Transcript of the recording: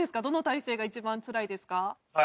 どの体勢が一番つらいですか？